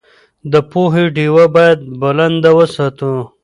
د پوهې ډېوه باید بلنده وساتو.